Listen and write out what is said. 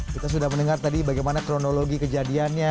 kita sudah mendengar tadi bagaimana kronologi kejadiannya